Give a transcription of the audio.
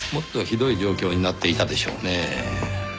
もっとひどい状況になっていたでしょうねぇ。